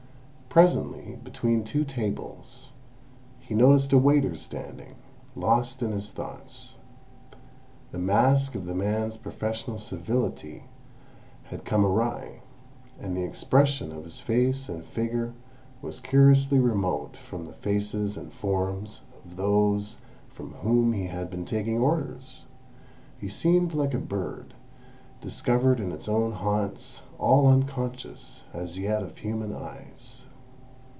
Presently, between two tables he noticed a waiter standing, lost in his thoughts. The mask of the man's professional civility had come awry, and the expression of his face and figure was curiously remote from the faces and forms of those from whom he had been taking orders; he seemed like a bird discovered in its own haunts, all unconscious as yet of human eyes.